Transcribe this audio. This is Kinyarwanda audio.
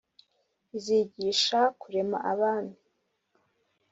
izigisha kurema abami